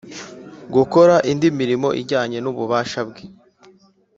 gukora indi mirimo ijyanye n ububasha bwe